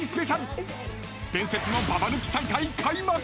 ［伝説のババ抜き大会開幕！］